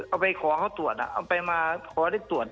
เอาไปขอเขาตรวจเอาไปมาขอได้ตรวจ